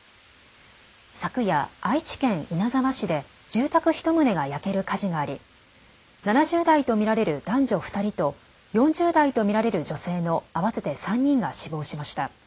昨夜、愛知県稲沢市で住宅１棟が焼ける火事があり７０代と見られる男女２人と４０代と見られる女性の合わせて３人が死亡しました。